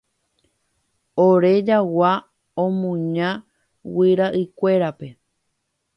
Ore jagua omuña guyrakuérape.